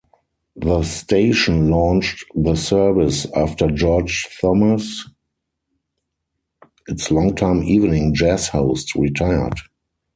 The station launched the service after George Thomas, its longtime evening jazz host, retired.